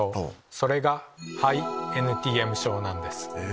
それが肺ＮＴＭ症なんです。